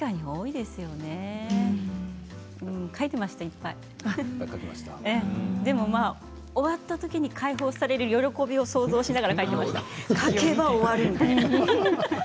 でも、終わったときに開放される喜びを想像しながら書いていました。